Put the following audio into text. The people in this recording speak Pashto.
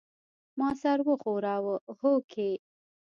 ما سر وښوراوه هوکې.